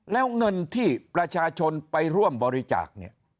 แล้วเงินที่ประชาชนไปร่วมบริจาคเนี่ย